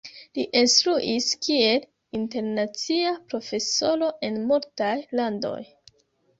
Li instruis kiel internacia profesoro en multaj landoj.